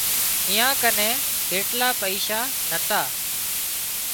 ايئان ڪنين ايٽلا پئيشا نتا